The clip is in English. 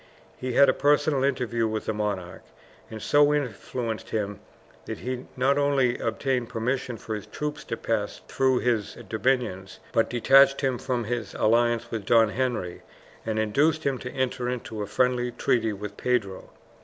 He had a personal interview with the monarch, and so influenced him that he not only obtained permission for his troops to pass through his dominions, but detached him from his alliance with Don Henry, and induced him to enter into a friendly treaty with Pedro.